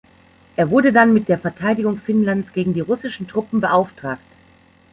Er wurde dann mit der Verteidigung Finnlands gegen die russischen Truppen beauftragt.